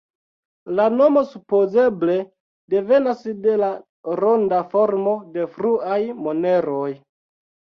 La nomo supozeble devenas de la ronda formo de fruaj moneroj.